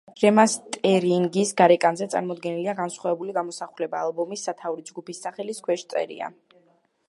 რემასტერინგის გარეკანზე წარმოდგენილია განსხვავებული გამოსახულება: ალბომის სათაური ჯგუფის სახელის ქვეშ წერია.